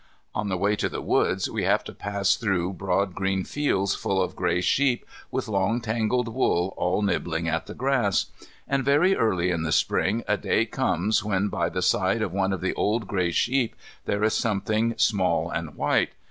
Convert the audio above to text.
On the way to the woods we have to pass through broad green fields full of grey sheep with long tangled wool all nibbling at the grass. And very early in the Spring a day comes when by the side of one of the old grey sheep there is something small and white.